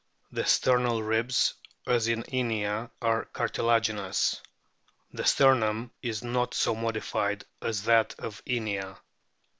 The sternal ribs, as in Inia, are cartilaginous. The sternum is not so modified as is that of Inia.